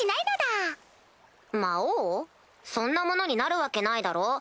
そんなものになるわけないだろ？